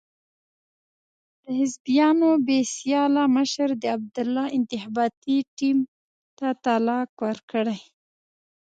د حزبیانو بې سیاله مشر د عبدالله انتخاباتي ټیم ته طلاق ورکړی.